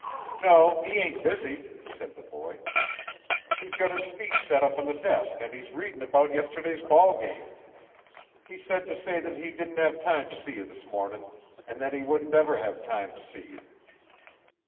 "No, he ain't busy," said the boy. "He's got his feet set up on the desk and he's readin' about yesterday's ball game. He said to say that he didn't have time to see you this mornin', and that he wouldn't ever have time to see you."